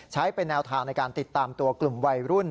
ใช้เป็นแนวทางในการติดตามตัวกลุ่มวัยรุ่น